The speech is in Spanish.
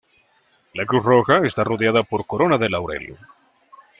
La cruz roja está rodeada por corona de laurel.